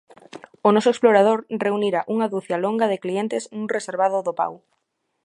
O noso explorador reunira unha ducia longa de clientes nun reservado do Pau.